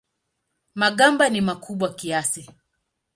Magamba ni makubwa kiasi.